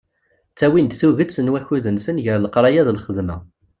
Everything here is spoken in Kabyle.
Ttawin-d tuget n wakud-nsen gar leqraya d lxedma.